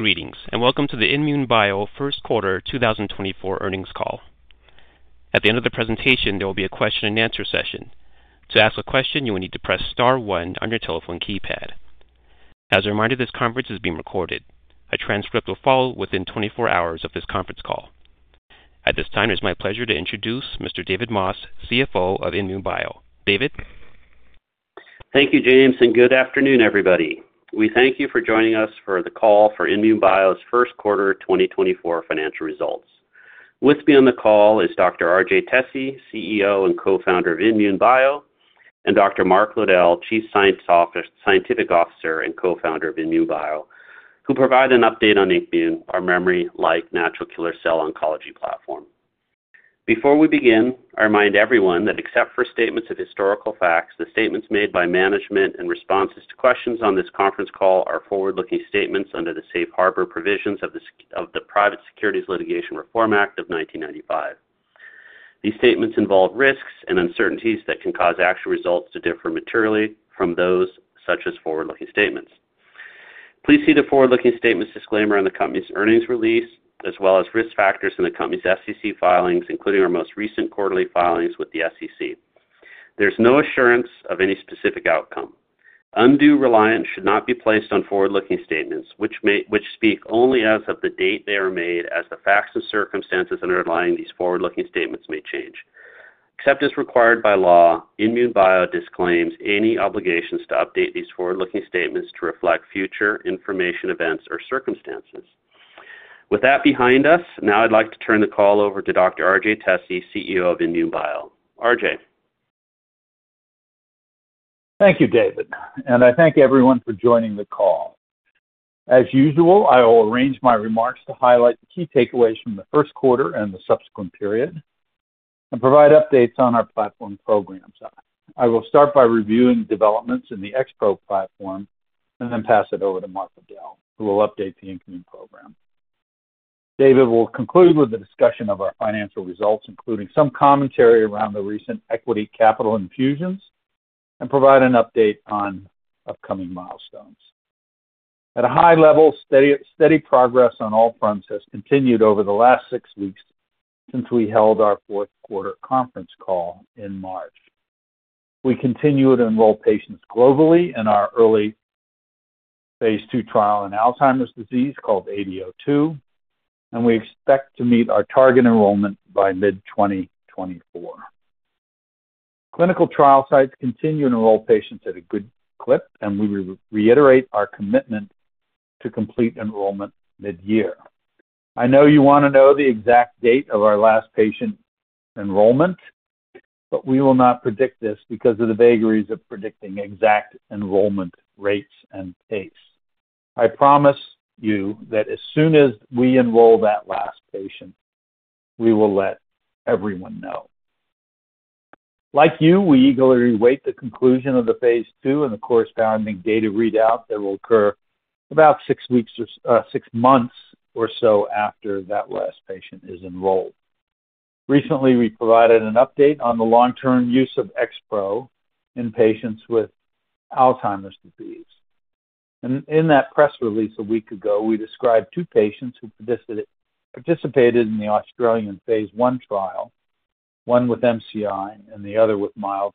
Greetings and welcome to the INmune Bio first quarter 2024 earnings call. At the end of the presentation, there will be a question and answer session. To ask a question, you will need to press star 1 on your telephone keypad. As a reminder, this conference is being recorded. A transcript will follow within 24 hours of this conference call. At this time, it is my pleasure to introduce Mr. David Moss, CFO of INmune Bio. David? Thank you, James, and good afternoon, everybody. We thank you for joining us for the call for INmune Bio's first quarter 2024 financial results. With me on the call is Dr. RJ Tesi, CEO and co-founder of INmune Bio, and Dr. Mark Lowdell, Chief Scientific Officer and co-founder of INmune Bio, who provide an update on INKmune, our memory-like natural killer cell oncology platform. Before we begin, I remind everyone that except for statements of historical facts, the statements made by management and responses to questions on this conference call are forward-looking statements under the safe harbor provisions of the Private Securities Litigation Reform Act of 1995. These statements involve risks and uncertainties that can cause actual results to differ materially from those such as forward-looking statements. Please see the forward-looking statements disclaimer on the company's earnings release, as well as risk factors in the company's SEC filings, including our most recent quarterly filings with the SEC. There's no assurance of any specific outcome. Undue reliance should not be placed on forward-looking statements, which speak only as of the date they are made, as the facts and circumstances underlying these forward-looking statements may change. Except as required by law, INmune Bio disclaims any obligations to update these forward-looking statements to reflect future information, events, or circumstances. With that behind us, now I'd like to turn the call over to Dr. RJ Tesi, CEO of INmune Bio. RJ? Thank you, David, and I thank everyone for joining the call. As usual, I will arrange my remarks to highlight the key takeaways from the first quarter and the subsequent period, and provide updates on our platform programs. I will start by reviewing developments in the XPro platform and then pass it over to Mark Lowdell, who will update the INKmune program. David will conclude with the discussion of our financial results, including some commentary around the recent equity capital infusions, and provide an update on upcoming milestones. At a high level, steady progress on all fronts has continued over the last six weeks since we held our fourth quarter conference call in March. We continue to enroll patients globally in our early Phase II trial in Alzheimer's disease called AD02, and we expect to meet our target enrollment by mid-2024. Clinical trial sites continue to enroll patients at a good clip, and we reiterate our commitment to complete enrollment mid-year. I know you want to know the exact date of our last patient enrollment, but we will not predict this because of the vagaries of predicting exact enrollment rates and pace. I promise you that as soon as we enroll that last patient, we will let everyone know. Like you, we eagerly await the conclusion of the Phase II and the corresponding data readout that will occur about six months or so after that last patient is enrolled. Recently, we provided an update on the long-term use of XPro in patients with Alzheimer's disease. In that press release a week ago, we described two patients who participated in the Australian Phase I trial, one with MCI and the other with mild,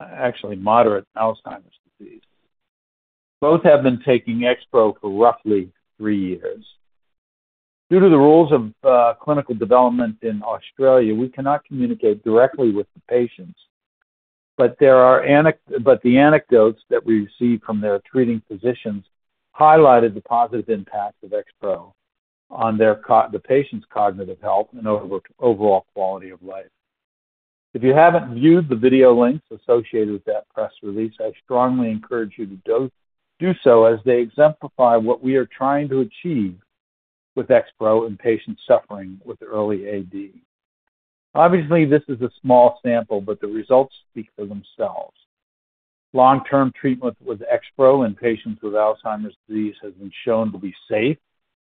actually moderate Alzheimer's disease. Both have been taking XPro for roughly three years. Due to the rules of clinical development in Australia, we cannot communicate directly with the patients, but the anecdotes that we received from their treating physicians highlighted the positive impact of XPro on the patient's cognitive health and overall quality of life. If you haven't viewed the video links associated with that press release, I strongly encourage you to do so, as they exemplify what we are trying to achieve with XPro in patients suffering with early AD. Obviously, this is a small sample, but the results speak for themselves. Long-term treatment with XPro in patients with Alzheimer's disease has been shown to be safe,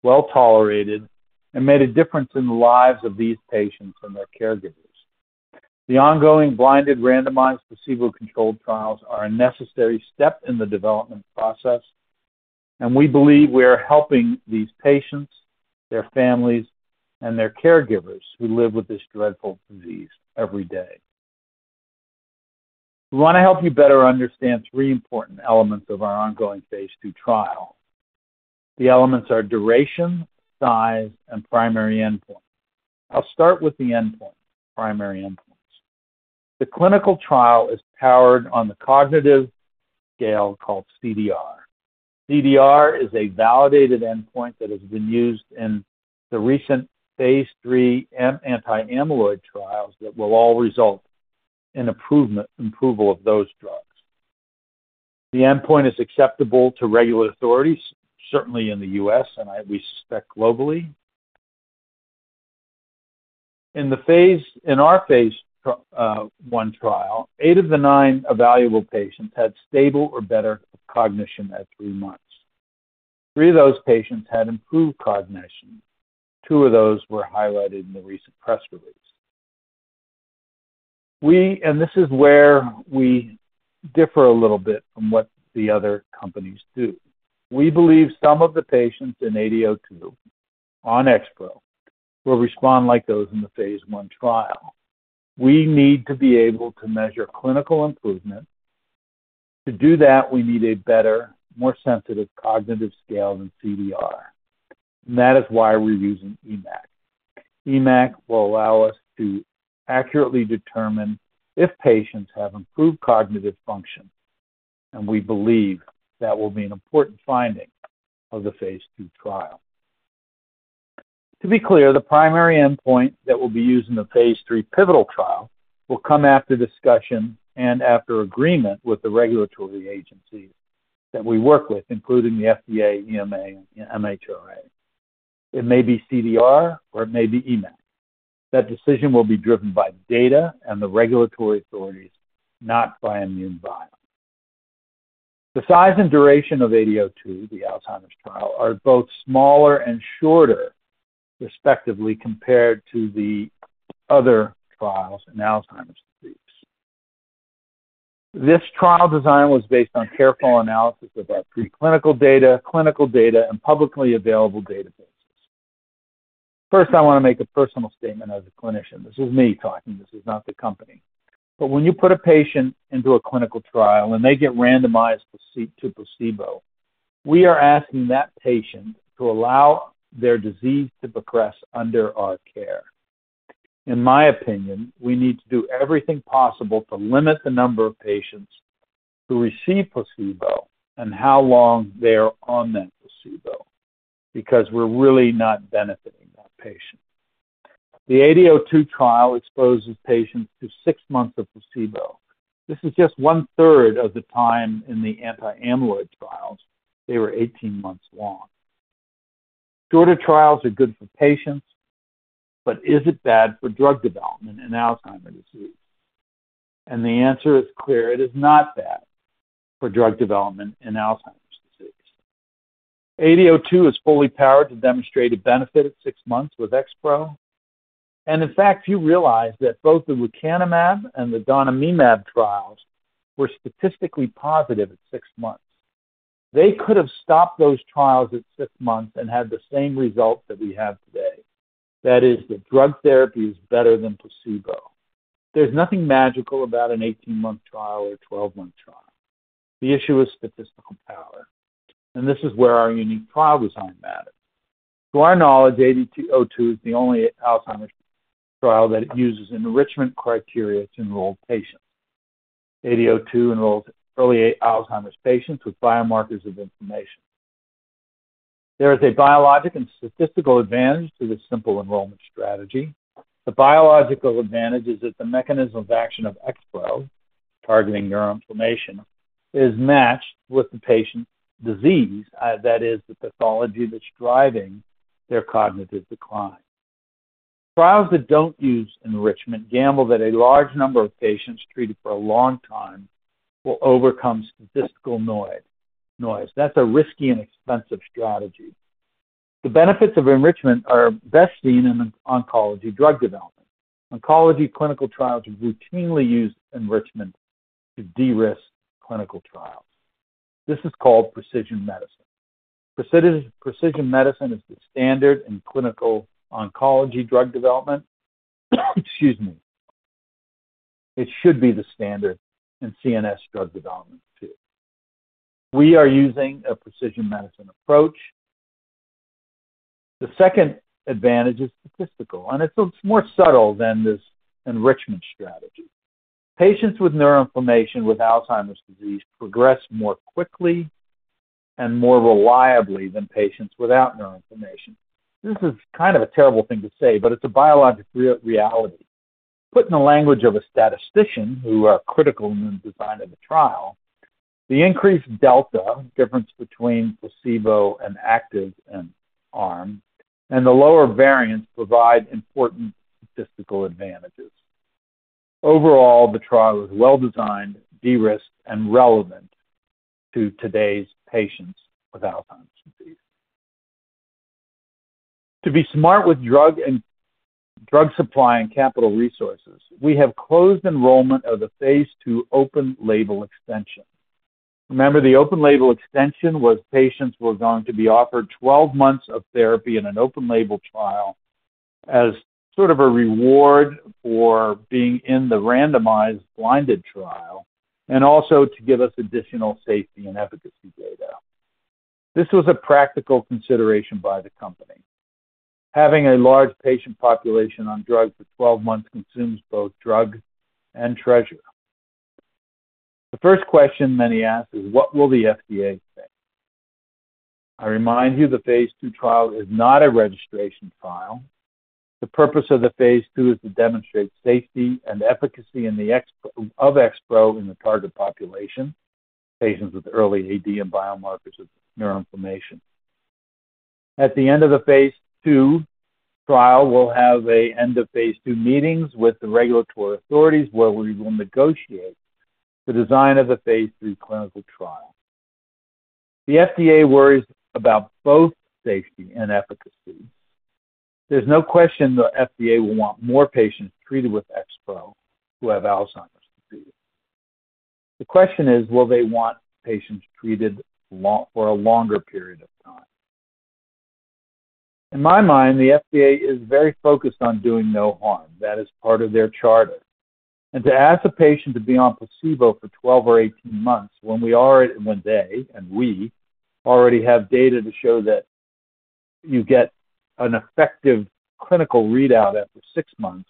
well-tolerated, and made a difference in the lives of these patients and their caregivers. The ongoing blinded, randomized, placebo-controlled trials are a necessary step in the development process, and we believe we are helping these patients, their families, and their caregivers who live with this dreadful disease every day. We want to help you better understand 3 important elements of our ongoing Phase II trial. The elements are duration, size, and primary endpoint. I'll start with the endpoint, primary endpoint. The clinical trial is powered on the cognitive scale called CDR. CDR is a validated endpoint that has been used in the recent Phase III anti-amyloid trials that will all result in approval of those drugs. The endpoint is acceptable to regulatory authorities, certainly in the U.S., and we suspect globally. In our Phase I trial, eight of the nine evaluable patients had stable or better cognition at three months. three of those patients had improved cognition. Two of those were highlighted in the recent press release. This is where we differ a little bit from what the other companies do. We believe some of the patients in ADO2 on XPro will respond like those in the Phase I trial. We need to be able to measure clinical improvement. To do that, we need a better, more sensitive cognitive scale than CDR. And that is why we're using EMACC. EMACC will allow us to accurately determine if patients have improved cognitive function, and we believe that will be an important finding of the Phase II trial. To be clear, the primary endpoint that will be used in the Phase III pivotal trial will come after discussion and after agreement with the regulatory agencies that we work with, including the FDA, EMA, and MHRA. It may be CDR, or it may be EMACC. That decision will be driven by data and the regulatory authorities, not by INmune Bio. The size and duration of ADO2, the Alzheimer's trial, are both smaller and shorter, respectively, compared to the other trials in Alzheimer's disease. This trial design was based on careful analysis of our preclinical data, clinical data, and publicly available databases. First, I want to make a personal statement as a clinician. This is me talking. This is not the company. But when you put a patient into a clinical trial and they get randomized to placebo, we are asking that patient to allow their disease to progress under our care. In my opinion, we need to do everything possible to limit the number of patients who receive placebo and how long they are on that placebo because we're really not benefiting that patient. The ADO2 trial exposes patients to six months of placebo. This is just one-third of the time in the anti-amyloid trials. They were 18 months long. Shorter trials are good for patients, but is it bad for drug development in Alzheimer's disease? The answer is clear. It is not bad for drug development in Alzheimer's disease. ADO2 is fully powered to demonstrate a benefit at 6 months with XPro. In fact, you realize that both the lecanemab and the donanemab trials were statistically positive at 6 months. They could have stopped those trials at 6 months and had the same result that we have today. That is, the drug therapy is better than placebo. There's nothing magical about an 18-month trial or 12-month trial. The issue is statistical power. This is where our unique trial design matters. To our knowledge, ADO2 is the only Alzheimer's trial that uses enrichment criteria to enroll patients. ADO2 enrolls early Alzheimer's patients with biomarkers of inflammation. There is a biologic and statistical advantage to this simple enrollment strategy. The biological advantage is that the mechanism of action of XPro, targeting neuroinflammation, is matched with the patient's disease, that is, the pathology that's driving their cognitive decline. Trials that don't use enrichment gamble that a large number of patients treated for a long time will overcome statistical noise. That's a risky and expensive strategy. The benefits of enrichment are best seen in oncology drug development. Oncology clinical trials routinely use enrichment to de-risk clinical trials. This is called precision medicine. Precision medicine is the standard in clinical oncology drug development, excuse me, it should be the standard in CNS drug development too. We are using a precision medicine approach. The second advantage is statistical, and it's more subtle than this enrichment strategy. Patients with neuroinflammation with Alzheimer's disease progress more quickly and more reliably than patients without neuroinflammation. This is kind of a terrible thing to say, but it's a biologic reality. Put in the language of a statistician who are critical in the design of the trial, the increased delta, the difference between placebo and active and arm, and the lower variance provide important statistical advantages. Overall, the trial is well designed, de-risked, and relevant to today's patients with Alzheimer's disease. To be smart with drug supply and capital resources, we have closed enrollment of the Phase II open label extension. Remember, the open label extension was patients were going to be offered 12 months of therapy in an open label trial as sort of a reward for being in the randomized blinded trial and also to give us additional safety and efficacy data. This was a practical consideration by the company. Having a large patient population on drugs for 12 months consumes both drug and treasure. The first question many ask is, "What will the FDA say?" I remind you, the Phase II trial is not a registration trial. The purpose of the Phase II is to demonstrate safety and efficacy of XPro in the target population, patients with early AD and biomarkers of neuroinflammation. At the end of the Phase II trial, we'll have end-of-Phase II meetings with the regulatory authorities where we will negotiate the design of the Phase III clinical trial. The FDA worries about both safety and efficacy. There's no question the FDA will want more patients treated with XPro who have Alzheimer's disease. The question is, will they want patients treated for a longer period of time? In my mind, the FDA is very focused on doing no harm. That is part of their charter. To ask a patient to be on placebo for 12 or 18 months when they and we already have data to show that you get an effective clinical readout after six months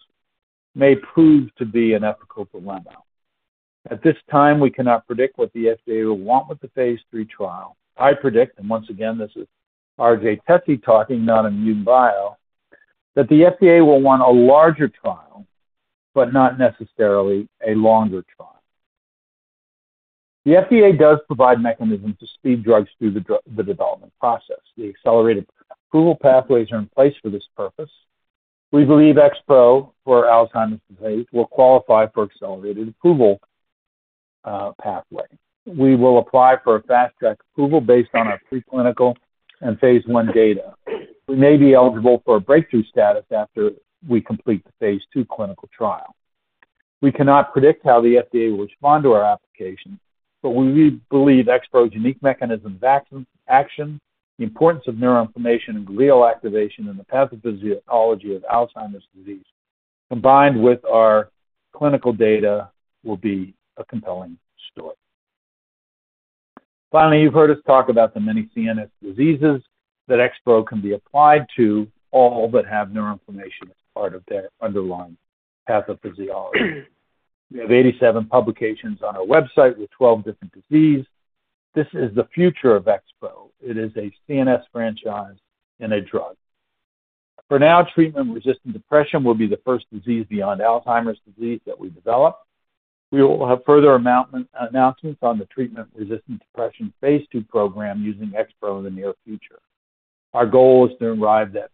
may prove to be an ethical dilemma. At this time, we cannot predict what the FDA will want with the Phase III trial. I predict, and once again, this is R.J. Tesi talking, not INmune Bio, that the FDA will want a larger trial but not necessarily a longer trial. The FDA does provide mechanisms to speed drugs through the development process. The accelerated approval pathways are in place for this purpose. We believe XPro for Alzheimer's disease will qualify for accelerated approval pathway. We will apply for a fast-track approval based on our preclinical and Phase I data. We may be eligible for a breakthrough status after we complete the Phase II clinical trial. We cannot predict how the FDA will respond to our application, but we believe XPro's unique mechanism of action, the importance of neuroinflammation and glial activation in the pathophysiology of Alzheimer's disease, combined with our clinical data, will be a compelling story. Finally, you've heard us talk about the many CNS diseases that XPro can be applied to all that have neuroinflammation as part of their underlying pathophysiology. We have 87 publications on our website with 12 different diseases. This is the future of XPro. It is a CNS franchise in a drug. For now, treatment-resistant depression will be the first disease beyond Alzheimer's disease that we develop. We will have further announcements on the treatment-resistant depression Phase II program using XPro in the near future. Our goal is to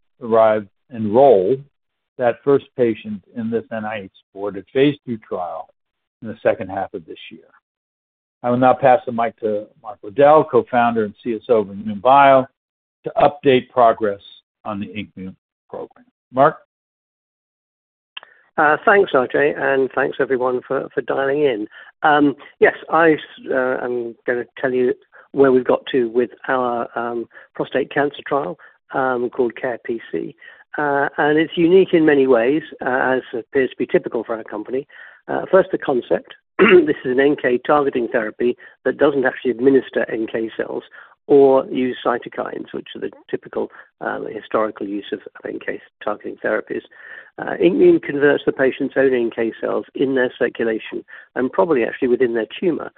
enroll that first patient in this NIH-supported Phase II trial in the second half of this year. I will now pass the mic to Mark Lowdell, co-founder and CSO of INmune Bio, to update progress on the INKmune program. Mark? Thanks, RJ, and thanks, everyone, for dialing in. Yes, I'm going to tell you where we've got to with our prostate cancer trial called CaRe-PC. It's unique in many ways, as appears to be typical for our company. First, the concept. This is an NK targeting therapy that doesn't actually administer NK cells or use cytokines, which are the typical historical use of NK targeting therapies. INKmune converts the patient's own NK cells in their circulation and probably actually within their tumor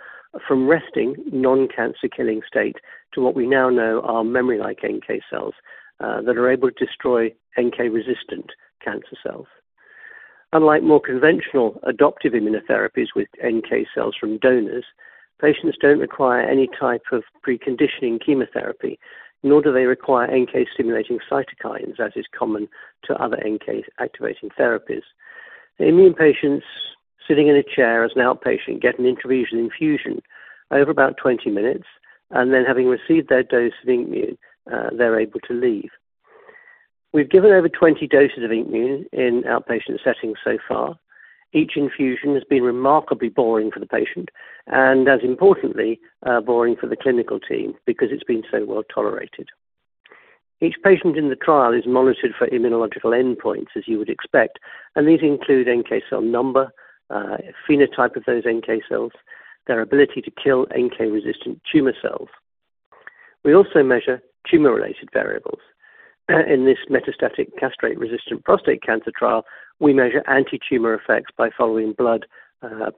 from resting non-cancer-killing state to what we now know are memory-like NK cells that are able to destroy NK-resistant cancer cells. Unlike more conventional adoptive immunotherapies with NK cells from donors, patients don't require any type of preconditioning chemotherapy, nor do they require NK-stimulating cytokines as is common to other NK-activating therapies. The INKmune patients sitting in a chair as an outpatient get an intravenous infusion over about 20 minutes, and then having received their dose of INKmune, they're able to leave. We've given over 20 doses of INKmune in outpatient settings so far. Each infusion has been remarkably boring for the patient and, as importantly, boring for the clinical team because it's been so well tolerated. Each patient in the trial is monitored for immunological endpoints, as you would expect, and these include NK cell number, phenotype of those NK cells, their ability to kill NK-resistant tumor cells. We also measure tumor-related variables. In this metastatic castration-resistant prostate cancer trial, we measure anti-tumor effects by following blood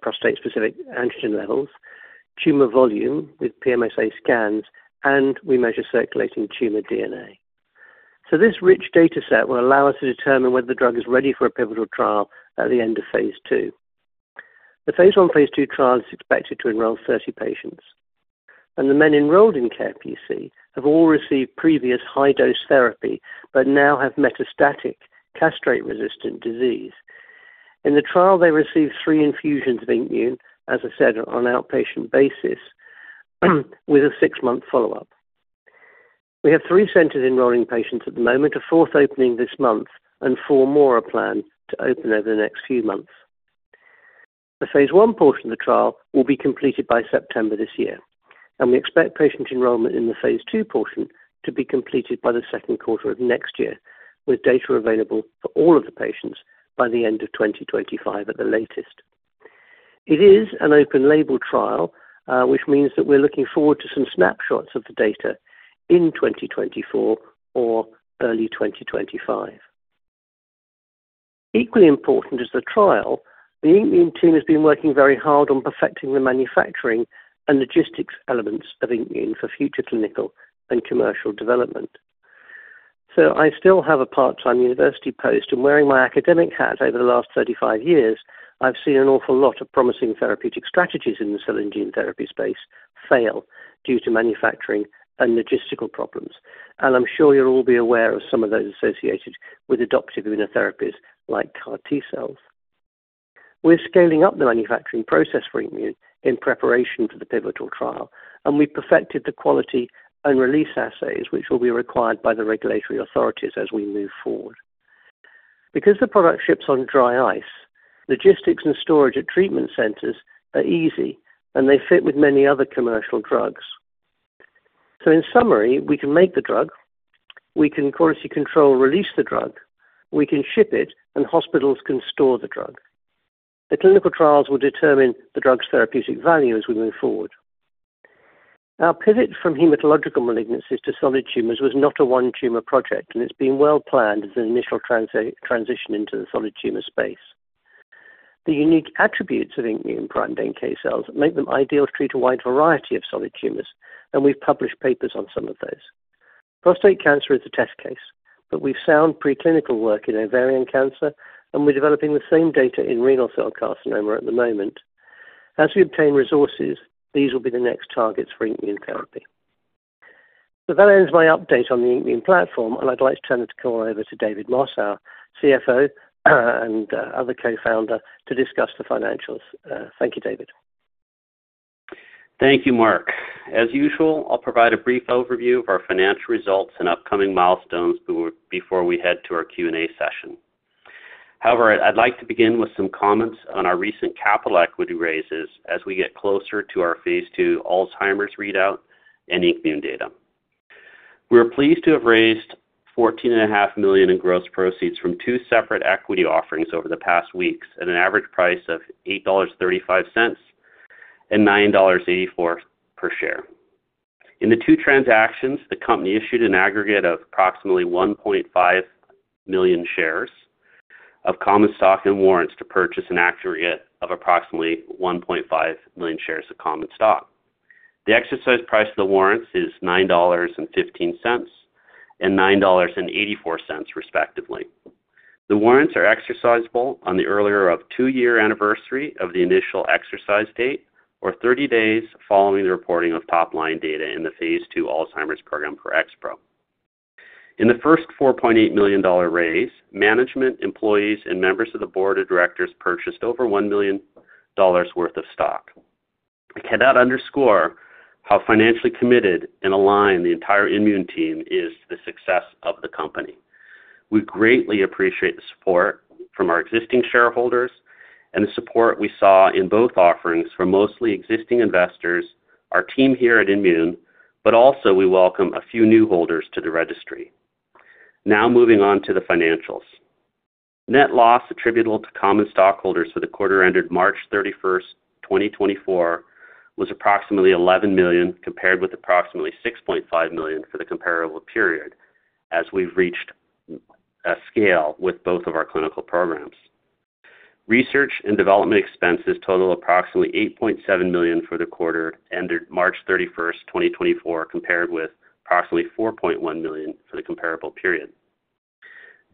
prostate-specific antigen levels, tumor volume with PSMA scans, and we measure circulating tumor DNA. So this rich dataset will allow us to determine whether the drug is ready for a pivotal trial at the end of Phase II. The Phase I Phase II trial is expected to enroll 30 patients. And the men enrolled in CARE-PC have all received previous high-dose therapy but now have metastatic castration-resistant disease. In the trial, they receive three infusions of INKmune, as I said, on an outpatient basis with a six-month follow-up. We have three centers enrolling patients at the moment, a fourth opening this month, and four more are planned to open over the next few months. The Phase I portion of the trial will be completed by September this year, and we expect patient enrollment in the Phase II portion to be completed by the second quarter of next year, with data available for all of the patients by the end of 2025 at the latest. It is an open label trial, which means that we're looking forward to some snapshots of the data in 2024 or early 2025. Equally important as the trial, the INKmune team has been working very hard on perfecting the manufacturing and logistics elements of INKmune for future clinical and commercial development. So I still have a part-time university post, and wearing my academic hat over the last 35 years, I've seen an awful lot of promising therapeutic strategies in the cell and gene therapy space fail due to manufacturing and logistical problems. I'm sure you'll all be aware of some of those associated with adoptive immunotherapies like CAR T cells. We're scaling up the manufacturing process for INKmune in preparation for the pivotal trial, and we've perfected the quality and release assays, which will be required by the regulatory authorities as we move forward. Because the product ships on dry ice, logistics and storage at treatment centers are easy, and they fit with many other commercial drugs. So in summary, we can make the drug, we can quality control release the drug, we can ship it, and hospitals can store the drug. The clinical trials will determine the drug's therapeutic value as we move forward. Our pivot from hematological malignancies to solid tumors was not a one-tumor project, and it's been well planned as an initial transition into the solid tumor space. The unique attributes of INKmune prime NK cells make them ideal to treat a wide variety of solid tumors, and we've published papers on some of those. Prostate cancer is a test case, but we have sound preclinical work in ovarian cancer, and we're developing the same data in renal cell carcinoma at the moment. As we obtain resources, these will be the next targets for INKmune therapy. So that ends my update on the INKmune platform, and I'd like to turn the call over to David Moss, CFO and other co-founder, to discuss the financials. Thank you, David. Thank you, Mark. As usual, I'll provide a brief overview of our financial results and upcoming milestones before we head to our Q&A session. However, I'd like to begin with some comments on our recent capital equity raises as we get closer to our Phase II Alzheimer's readout and INKmune data. We are pleased to have raised $14.5 million in gross proceeds from two separate equity offerings over the past weeks at an average price of $8.35 and $9.84 per share. In the two transactions, the company issued an aggregate of approximately 1.5 million shares of common stock and warrants to purchase an aggregate of approximately 1.5 million shares of common stock. The exercise price of the warrants is $9.15 and $9.84, respectively. The warrants are exercisable on the earlier of two-year anniversary of the initial exercise date, or 30 days following the reporting of top-line data in the Phase II Alzheimer's program for XPro. In the first $4.8 million raise, management, employees, and members of the board of directors purchased over $1 million worth of stock. I cannot underscore how financially committed and aligned the entire INmune team is to the success of the company. We greatly appreciate the support from our existing shareholders and the support we saw in both offerings from mostly existing investors, our team here at INmune, but also we welcome a few new holders to the registry. Now moving on to the financials. Net loss attributable to common stockholders for the quarter ended March 31st, 2024, was approximately $11 million compared with approximately $6.5 million for the comparable period as we've reached a scale with both of our clinical programs. Research and development expenses total approximately $8.7 million for the quarter ended March 31st, 2024, compared with approximately $4.1 million for the comparable period.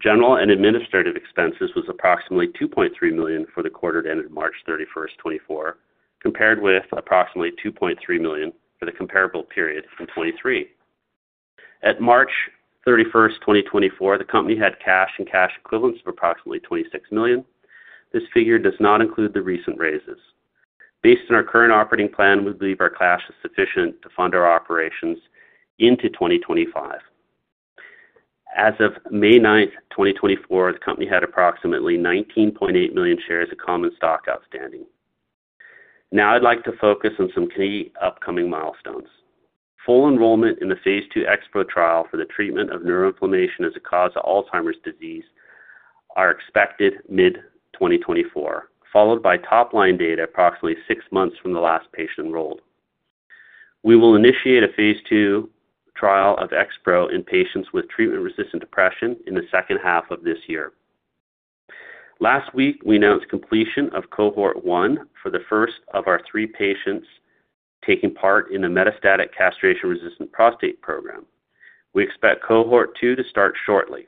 General and administrative expenses was approximately $2.3 million for the quarter ended March 31st, 2024, compared with approximately $2.3 million for the comparable period in 2023. At March 31st, 2024, the company had cash and cash equivalents of approximately $26 million. This figure does not include the recent raises. Based on our current operating plan, we believe our cash is sufficient to fund our operations into 2025. As of May 9th, 2024, the company had approximately 19.8 million shares of common stock outstanding. Now I'd like to focus on some key upcoming milestones. Full enrollment in the Phase II XPro trial for the treatment of neuroinflammation as a cause of Alzheimer's disease are expected mid-2024, followed by top-line data approximately six months from the last patient enrolled. We will initiate a Phase II trial of XPro in patients with treatment-resistant depression in the second half of this year. Last week, we announced completion of cohort one for the first of our three patients taking part in the metastatic castration-resistant prostate program. We expect cohort two to start shortly.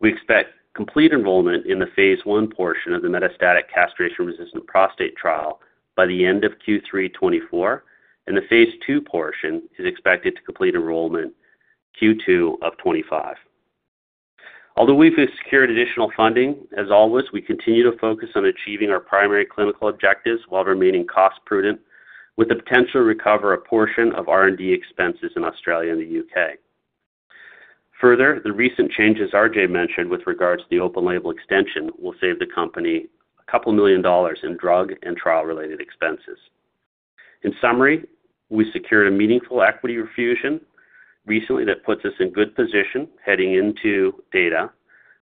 We expect complete enrollment in the Phase I portion of the metastatic castration-resistant prostate trial by the end of Q3 2024, and the Phase II portion is expected to complete enrollment Q2 of 2025. Although we've secured additional funding, as always, we continue to focus on achieving our primary clinical objectives while remaining cost-prudent with the potential to recover a portion of R&D expenses in Australia and the U.K. Further, the recent changes RJ mentioned with regards to the open label extension will save the company a couple million dollars in drug and trial-related expenses. In summary, we secured a meaningful equity refinancing recently that puts us in good position heading into data,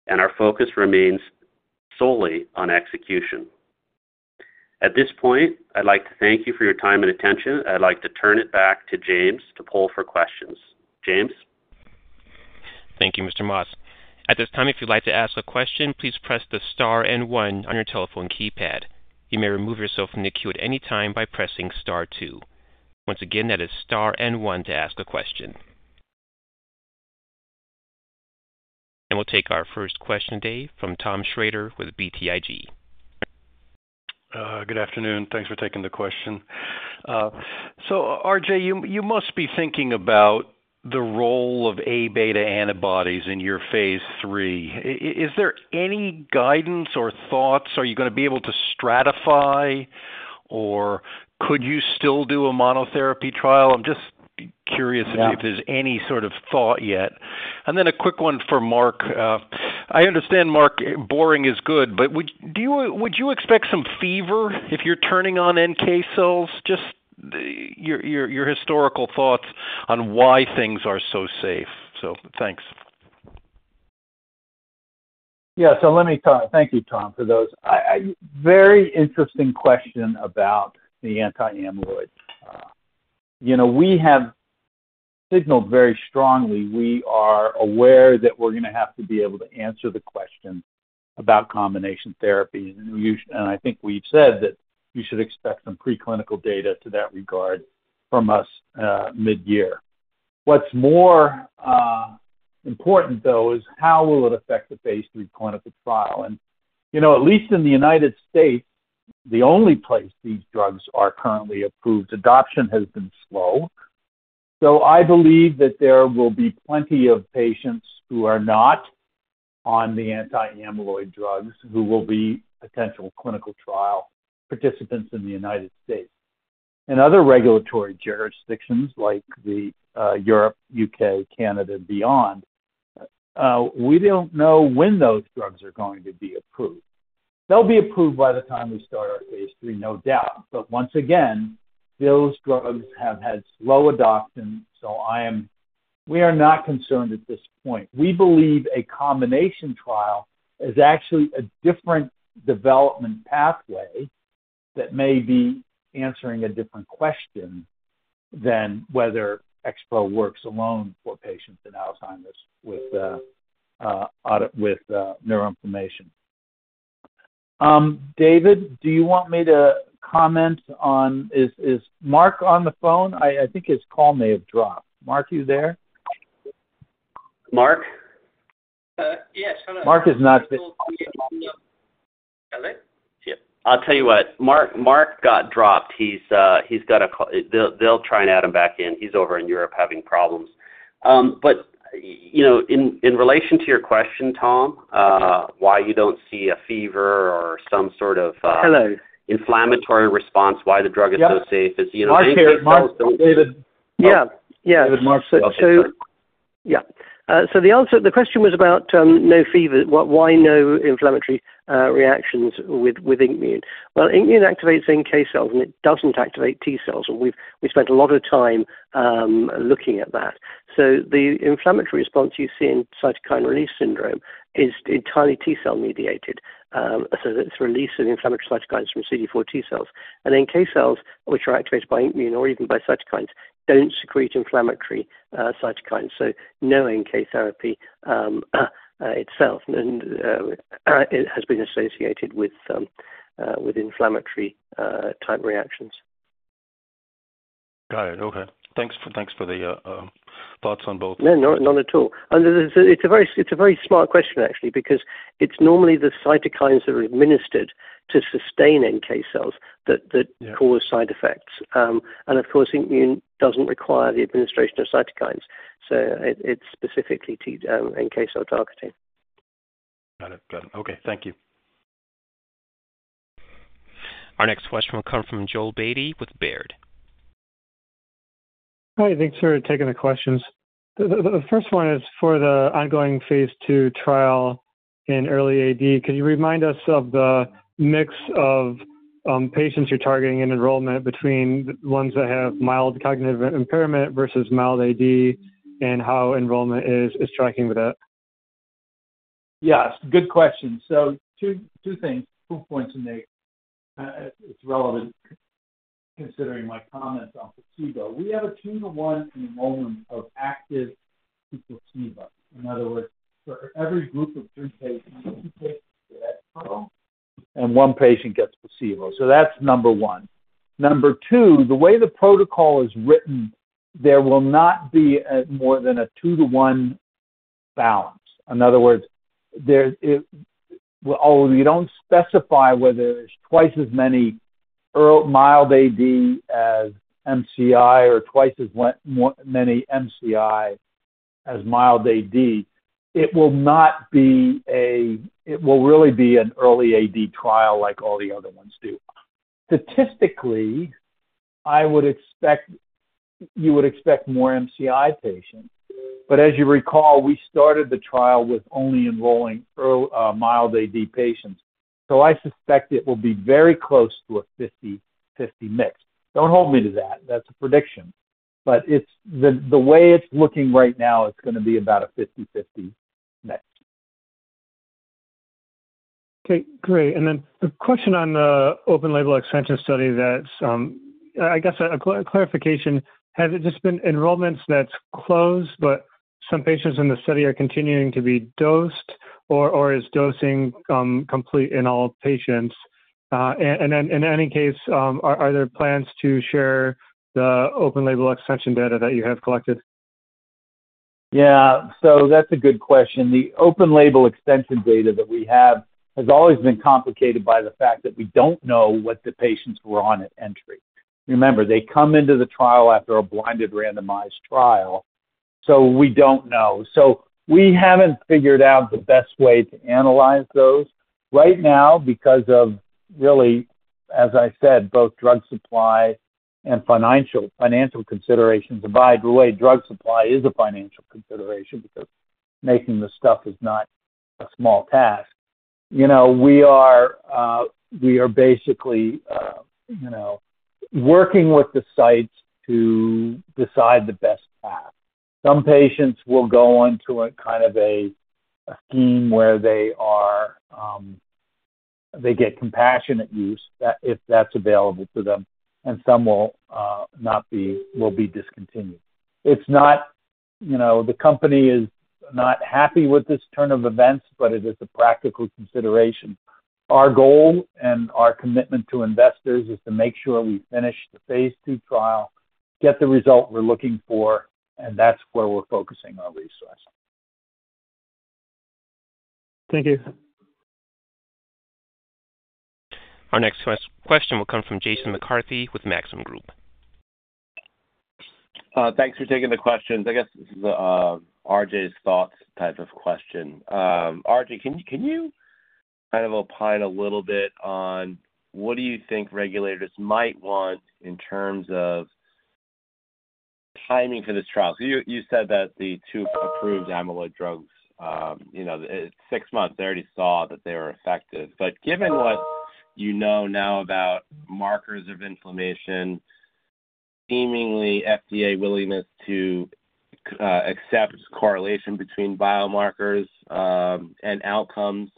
and our focus remains solely on execution. At this point, I'd like to thank you for your time and attention. I'd like to turn it back to James to poll for questions. James? Thank you, Mr. Moss. At this time, if you'd like to ask a question, please press the star and 1 on your telephone keypad. You may remove yourself from the queue at any time by pressing star 2. Once again, that is star and 1 to ask a question. We'll take our first question today from Tom Shrader with BTIG. Good afternoon. Thanks for taking the question. So RJ, you must be thinking about the role of A beta antibodies in your Phase III. Is there any guidance or thoughts? Are you going to be able to stratify, or could you still do a monotherapy trial? I'm just curious if there's any sort of thought yet. And then a quick one for Mark. I understand, Mark, boring is good, but would you expect some fever if you're turning on NK cells? Just your historical thoughts on why things are so safe. So thanks. Yeah, so let me thank you, Tom, for those. Very interesting question about the anti-amyloid. We have signaled very strongly we are aware that we're going to have to be able to answer the question about combination therapies, and I think we've said that you should expect some preclinical data to that regard from us mid-year. What's more important, though, is how will it affect thePhase III clinical trial? And at least in the United States, the only place these drugs are currently approved, adoption has been slow. So I believe that there will be plenty of patients who are not on the anti-amyloid drugs who will be potential clinical trial participants in the United States. In other regulatory jurisdictions like Europe, U.K., Canada, and beyond, we don't know when those drugs are going to be approved. They'll be approved by the time we start our Phase III, no doubt. But once again, those drugs have had slow adoption, so we are not concerned at this point. We believe a combination trial is actually a different development pathway that may be answering a different question than whether Expo works alone for patients in Alzheimer's with neuroinflammation. David, do you want me to comment on? Is Mark on the phone? I think his call may have dropped. Mark, are you there? Mark? Yes, hello. Mark is on. I'll tell you what. Mark got dropped. They'll try and add him back in. He's over in Europe having problems. But in relation to your question, Tom, why you don't see a fever or some sort of inflammatory response, why the drug is so safe. So the question was about no fever, why no inflammatory reactions with INKmune. Well, INKmune activates NK cells, and it doesn't activate T cells, and we've spent a lot of time looking at that. So the inflammatory response you see in cytokine release syndrome is entirely T cell mediated, so it's release of inflammatory cytokines from CD4 T cells. And NK cells, which are activated by INKmune or even by cytokines, don't secrete inflammatory cytokines. So no NK therapy itself, and it has been associated with inflammatory-type reactions. Got it. Okay. Thanks for the thoughts on both. No, not at all. It's a very smart question, actually, because it's normally the cytokines that are administered to sustain NK cells that cause side effects. And of course, INKmune doesn't require the administration of cytokines, so it's specifically to NK cell targeting. Got it. Got it. Okay. Thank you. Our next question will come from Joel Beatty with Baird. Hi. Thanks for taking the questions. The first one is for the ongoing Phase II trial in early AD. Could you remind us of the mix of patients you're targeting in enrollment between the ones that have mild cognitive impairment versus mild AD and how enrollment is tracking with that? Yes. Good question. So two things, two points in there. It's relevant considering my comments on placebo. We have a two-to-one enrollment of active to placebo. In other words, for every group of two patients, three patients get Expo, and 1 patient gets placebo. So that's number one. Number two, the way the protocol is written, there will not be more than a two-to-one balance. In other words, although we don't specify whether there's twice as many mild AD as MCI or twice as many MCI as mild AD, it will not be, it will really be an early AD trial like all the other ones do. Statistically, you would expect more MCI patients. But as you recall, we started the trial with only enrolling mild AD patients, so I suspect it will be very close to a 50/50 mix. Don't hold me to that. That's a prediction. But the way it's looking right now, it's going to be about a 50/50 mix. Okay. Great. And then the question on the open label extension study that's, I guess a clarification. Has it just been enrollments that's closed, but some patients in the study are continuing to be dosed, or is dosing complete in all patients? In any case, are there plans to share the open label extension data that you have collected? Yeah. So that's a good question. The open label extension data that we have has always been complicated by the fact that we don't know what the patients were on at entry. Remember, they come into the trial after a blinded randomized trial, so we don't know. So we haven't figured out the best way to analyze those. Right now, because of really, as I said, both drug supply and financial considerations and by the way, drug supply is a financial consideration because making the stuff is not a small task. We are basically working with the sites to decide the best path. Some patients will go onto kind of a scheme where they get compassionate use if that's available to them, and some will be discontinued. The company is not happy with this turn of events, but it is a practical consideration. Our goal and our commitment to investors is to make sure we finish the Phase II trial, get the result we're looking for, and that's where we're focusing our resource. Thank you. Our next question will come from Jason McCarthy with Maxim Group. Thanks for taking the questions. I guess this is RJ's thoughts type of question. RJ, can you kind of opine a little bit on what do you think regulators might want in terms of timing for this trial? So you said that the two approved amyloid drugs, six months, they already saw that they were effective. But given what you know now about markers of inflammation, seemingly FDA willingness to accept correlation between biomarkers and outcomes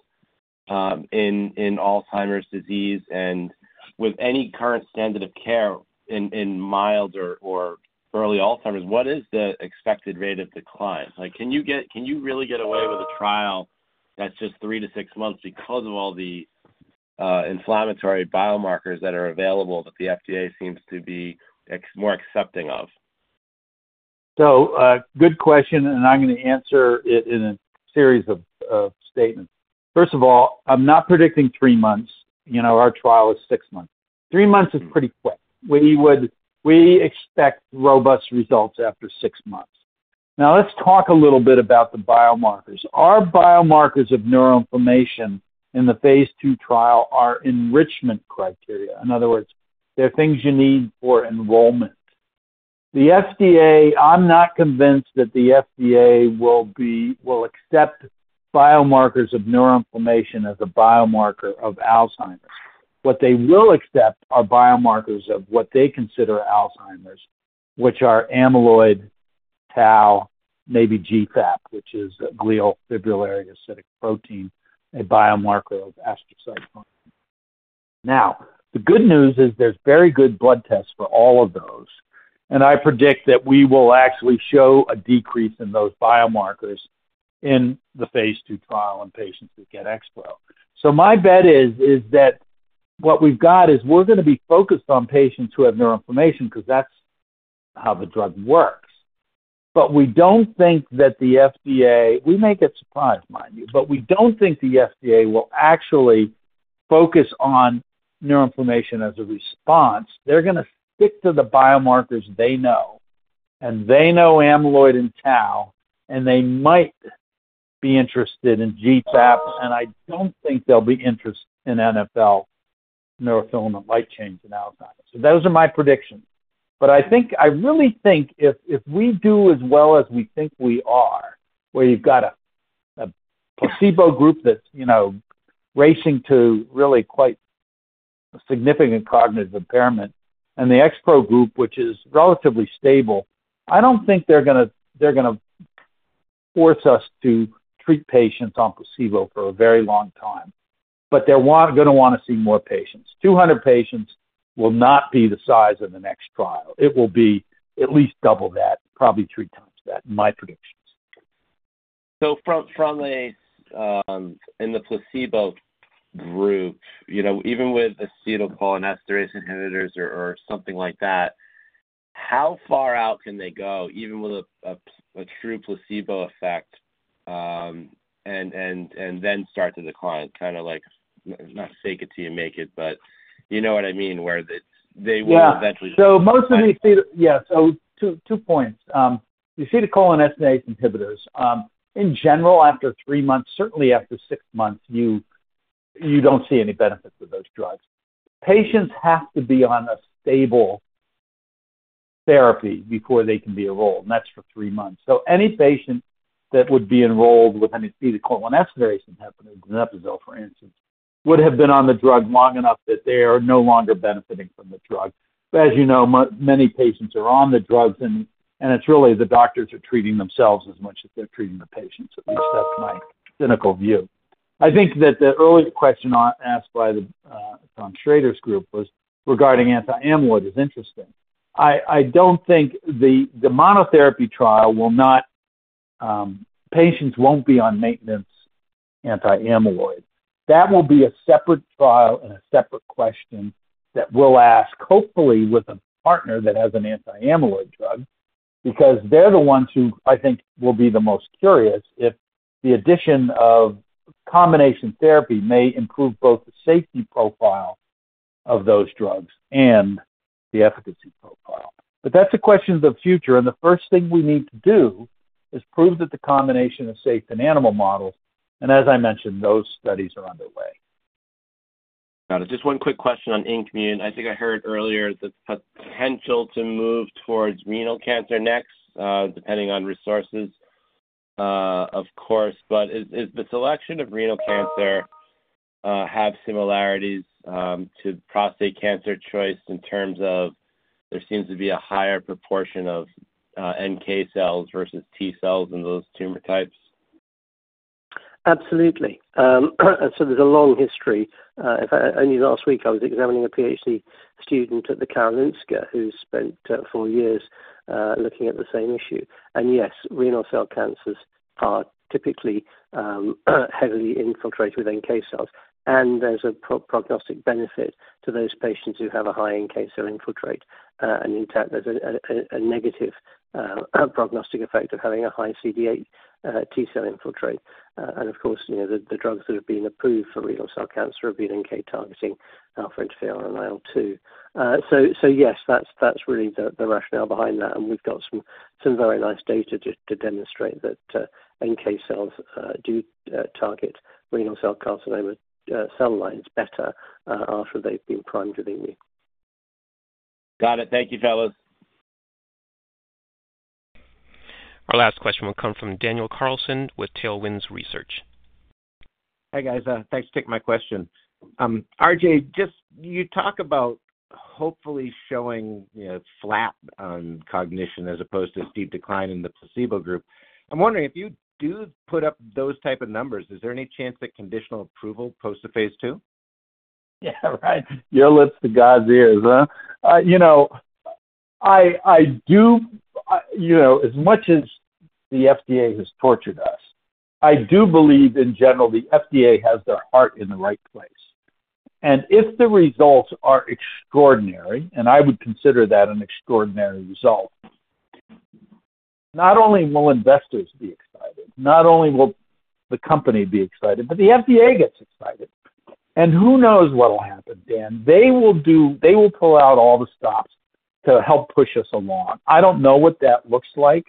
in Alzheimer's disease, and with any current standard of care in mild or early Alzheimer's, what is the expected rate of decline? Can you really get away with a trial that's just 3-6 months because of all the inflammatory biomarkers that are available that the FDA seems to be more accepting of? So good question, and I'm going to answer it in a series of statements. First of all, I'm not predicting three months. Our trial is six months. threee months is pretty quick. We expect robust results after six months. Now, let's talk a little bit about the biomarkers. Our biomarkers of neuroinflammation in the Phase II trial are enrichment criteria. In other words, they're things you need for enrollment. I'm not convinced that the FDA will accept biomarkers of neuroinflammation as a biomarker of Alzheimer's. What they will accept are biomarkers of what they consider Alzheimer's, which are amyloid, tau, maybe GFAP, which is glial fibrillary acidic protein, a biomarker of astrocytes. Now, the good news is there's very good blood tests for all of those, and I predict that we will actually show a decrease in those biomarkers in the Phase II trial in patients that get Expo. So my bet is that what we've got is we're going to be focused on patients who have neuroinflammation because that's how the drug works. But we don't think that the FDA, we may get surprised, mind you, but we don't think the FDA will actually focus on neuroinflammation as a response. They're going to stick to the biomarkers they know, and they know amyloid and tau, and they might be interested in GFAP, and I don't think they'll be interested in NFL, neurofilament light chains, in Alzheimer's. So those are my predictions. But I really think if we do as well as we think we are, where you've got a placebo group that's racing to really quite significant cognitive impairment, and the XPro group, which is relatively stable, I don't think they're going to force us to treat patients on placebo for a very long time. But they're going to want to see more patients. 200 patients will not be the size of the next trial. It will be at least double that, probably three times that, in my predictions. So from the placebo group, even with acetylcholinesterase inhibitors or something like that, how far out can they go, even with a true placebo effect, and then start to decline? Kind of not fake it till you make it, but you know what I mean, where they will eventually? Yeah. So most of these yeah. So two points. The acetylcholinesterase inhibitors, in general, after three months, certainly after six months, you don't see any benefit with those drugs. Patients have to be on a stable therapy before they can be enrolled, and that's for three months. So any patient that would be enrolled with an acetylcholinesterase inhibitor, donepezil, for instance, would have been on the drug long enough that they are no longer benefiting from the drug. But as you know, many patients are on the drugs, and it's really the doctors are treating themselves as much as they're treating the patients. At least that's my clinical view. I think that the earlier question asked by the Tom Shrader group regarding anti-amyloid is interesting. I don't think the monotherapy trial will not patients won't be on maintenance anti-amyloid. That will be a separate trial and a separate question that we'll ask, hopefully, with a partner that has an anti-amyloid drug because they're the ones who, I think, will be the most curious if the addition of combination therapy may improve both the safety profile of those drugs and the efficacy profile. But that's a question of the future, and the first thing we need to do is prove that the combination is safe in animal models. And as I mentioned, those studies are underway. Got it. Just one quick question on INmune. I think I heard earlier the potential to move towards renal cancer next, depending on resources, of course. But is the selection of renal cancer have similarities to prostate cancer choice in terms of there seems to be a higher proportion of NK cells versus T cells in those tumor types? Absolutely. And so there's a long history. I mean, last week, I was examining a PhD student at the Karolinska who spent four years looking at the same issue. And yes, renal cell cancers are typically heavily infiltrated with NK cells, and there's a prognostic benefit to those patients who have a high NK cell infiltrate. And in fact, there's a negative prognostic effect of having a high CD8 T cell infiltrate. And of course, the drugs that have been approved for renal cell cancer have been NK targeting, Interferon alpha-2. So yes, that's really the rationale behind that, and we've got some very nice data to demonstrate that NK cells do target renal cell carcinoma cell lines better after they've been primed with INKmune. Got it. Thank you, fellas. Our last question will come from Daniel Carlson with Tailwinds Research. Hey, guys. Thanks for taking my question. RJ, you talk about hopefully showing flat on cognition as opposed to steep decline in the placebo group. I'm wondering, if you do put up those type of numbers, is there any chance that conditional approval post Phase II? Yeah. Right. Your lips to God's ears, huh? I do as much as the FDA has tortured us, I do believe, in general, the FDA has their heart in the right place. If the results are extraordinary, and I would consider that an extraordinary result, not only will investors be excited, not only will the company be excited, but the FDA gets excited. Who knows what'll happen, Dan? They will pull out all the stops to help push us along. I don't know what that looks like,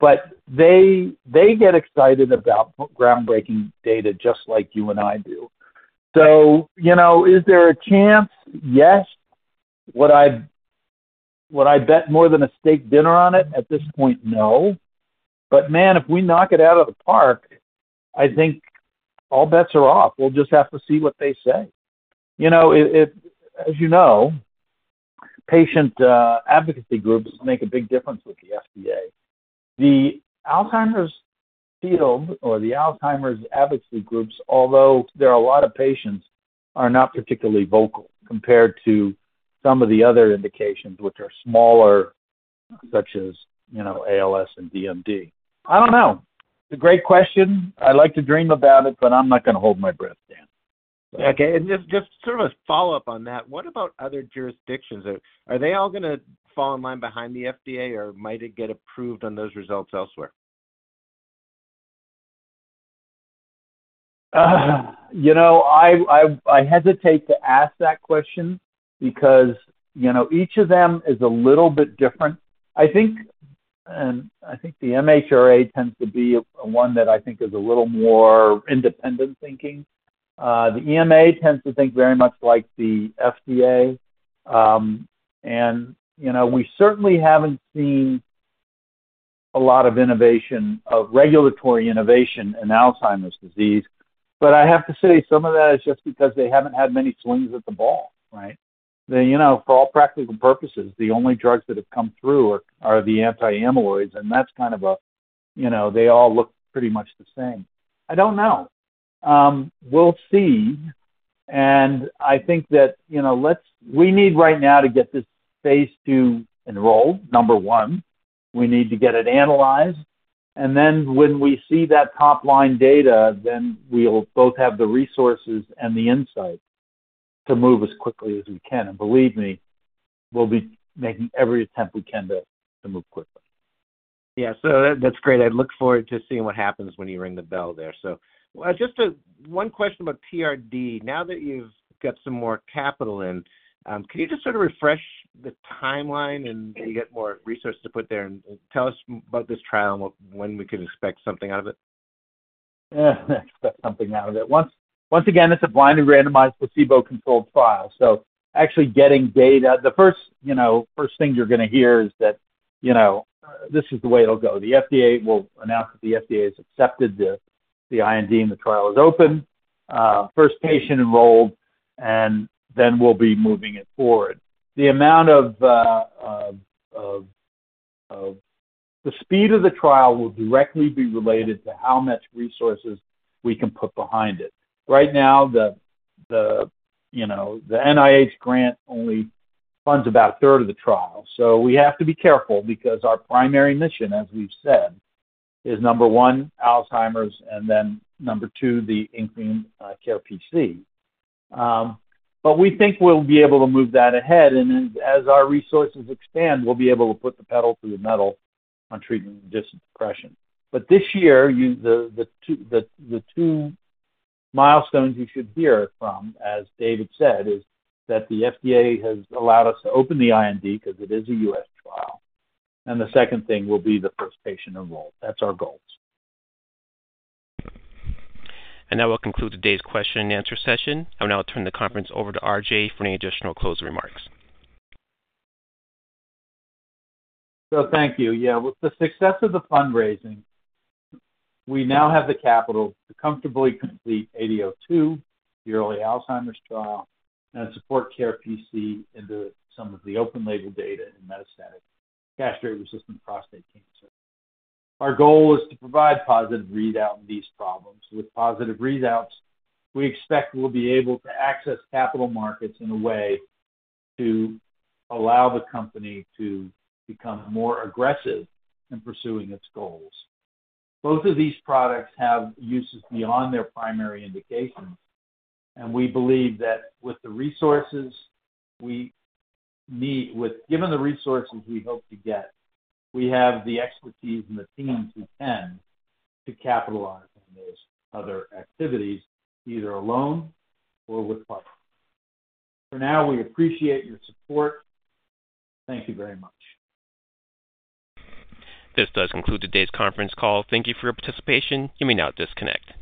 but they get excited about groundbreaking data just like you and I do. Is there a chance? Yes. Would I bet more than a steak dinner on it? At this point, no. Man, if we knock it out of the park, I think all bets are off. We'll just have to see what they say. As you know, patient advocacy groups make a big difference with the FDA. The Alzheimer's field or the Alzheimer's advocacy groups, although. There are a lot of patients who are not particularly vocal compared to some of the other indications, which are smaller, such as ALS and DMD. I don't know. It's a great question. I like to dream about it, but I'm not going to hold my breath, Dan. Okay. And just sort of a follow-up on that, what about other jurisdictions? Are they all going to fall in line behind the FDA, or might it get approved on those results elsewhere? I hesitate to ask that question because each of them is a little bit different. And I think the MHRA tends to be one that I think is a little more independent-thinking. The EMA tends to think very much like the FDA. And we certainly haven't seen a lot of regulatory innovation in Alzheimer's disease. But I have to say, some of that is just because they haven't had many swings at the ball, right? For all practical purposes, the only drugs that have come through are the anti-amyloids, and that's kind of a they all look pretty much the same. I don't know. We'll see. And I think that we need, right now, to get this Phase II enrolled, number one. We need to get it analyzed. And then when we see that top-line data, then we'll both have the resources and the insight to move as quickly as we can. And believe me, we'll be making every attempt we can to move quickly. Yeah. So that's great. I look forward to seeing what happens when you ring the bell there. So just one question about TRD. Now that you've got some more capital in, can you just sort of refresh the timeline and get more resources to put there and tell us about this trial and when we can expect something out of it? Expect something out of it. Once again, it's a blind and randomized placebo-controlled trial. So actually getting data, the first thing you're going to hear is that this is the way it'll go. The FDA will announce that the FDA has accepted the IND and the trial is open, first patient enrolled, and then we'll be moving it forward. The speed of the trial will directly be related to how much resources we can put behind it. Right now, the NIH grant only funds about a third of the trial. So we have to be careful because our primary mission, as we've said, is, number one, Alzheimer's, and then, number two, the INKmune CaRe-PC. But we think we'll be able to move that ahead. And as our resources expand, we'll be able to put the pedal to the metal on treating depression. But this year, the two milestones you should hear from, as David said, is that the FDA has allowed us to open the IND because it is a U.S. trial. And the second thing will be the first patient enrolled. That's our goals. And that will conclude today's question-and-answer session. And now I'll turn the conference over to RJ for any additional closing remarks. So thank you. Yeah. With the success of the fundraising, we now have the capital to comfortably complete ADO2, the early Alzheimer's trial, and support CaRe-PC into some of the open-label data in metastatic castration-resistant prostate cancer. Our goal is to provide positive readout in these programs. With positive readouts, we expect we'll be able to access capital markets in a way to allow the company to become more aggressive in pursuing its goals. Both of these products have uses beyond their primary indications, and we believe that with the resources we need given the resources we hope to get, we have the expertise and the team who can capitalize on those other activities, either alone or with partners. For now, we appreciate your support. Thank you very much. This does conclude today's conference call. Thank you for your participation. You may now disconnect.